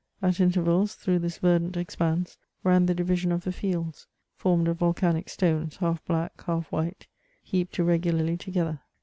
At intervals through this verdant expanse ran the divi sions of the fields, formed of volcanic stones, half black, half white, heaped irregularly together.